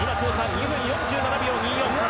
２分４７秒２４。